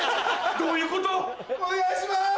お願いします！